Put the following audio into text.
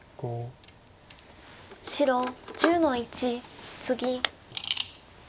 白１０の一ツギ。